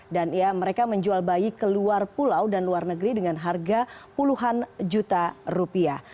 dan mereka menjual bayi ke luar pulau dan luar negeri dengan harga puluhan juta rupiah